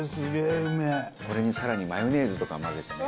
これに更にマヨネーズとか混ぜてね。